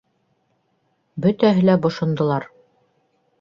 Бөтәһе лә бошондолар.